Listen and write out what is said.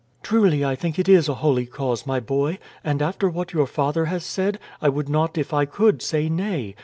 "Truly I think it is a holy cause, my boy; and after what your father has said, I would not if I could say nay.